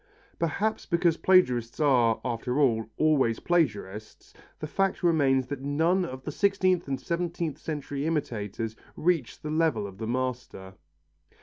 Perhaps because plagiarists are, after all, always plagiarists, the fact remains that none of the sixteenth and seventeenth century imitators reached the level of the master.